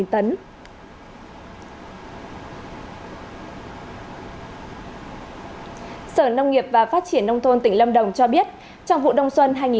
sở nông nghiệp và phát triển nông thôn tỉnh lâm đồng cho biết trong vụ đông xuân hai nghìn hai mươi một hai nghìn hai mươi hai